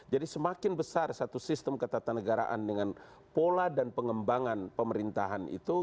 jadi semakin besar satu sistem ketatanegaraan dengan pola dan pengembangan pemerintahan itu